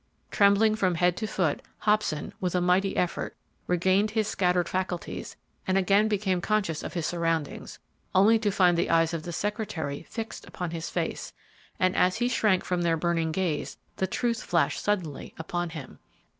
Trembling from head to foot, Hobson, with a mighty effort, regained his scattered faculties and again became conscious of his surroundings, only to find the eyes of the secretary fixed upon his face, and, as he shrank from their burning gaze, the truth flashed suddenly upon him.